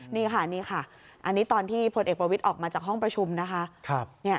นี่ค่ะนี่ค่ะอันนี้ตอนที่พลเอกประวิทย์ออกมาจากห้องประชุมนะคะ